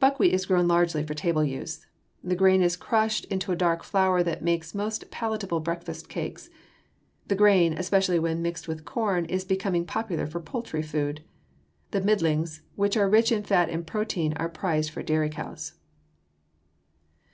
Buckwheat is grown largely for table use. The grain is crushed into a dark flour that makes most palatable breakfast cakes. The grain, especially when mixed with corn, is becoming popular for poultry food. The middlings, which are rich in fats and protein, are prized for dairy cows.